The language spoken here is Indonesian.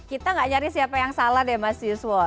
kita gak nyari siapa yang salah deh mas yuswo